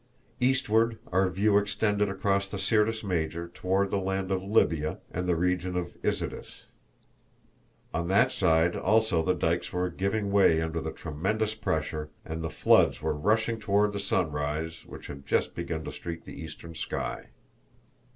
Eastward our view extended across the Syrtis Major toward the land of Libya and the region of Isidis. On that side also the dykes were giving way under the tremendous pressure, and the floods were rushing toward the sunrise, which had just begun to streak the eastern sky.